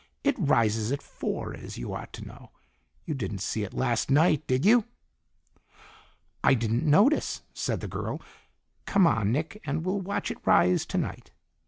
"It rises at four, as you ought to know. You didn't see it last night, did you?" "I didn't notice," said the girl. "Come on, Nick, and we'll watch it rise tonight.